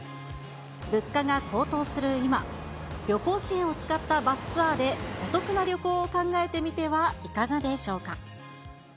物価が高騰する今、旅行支援を使ったバスツアーで、お得な旅行を考えてみてはいかがでしょうか。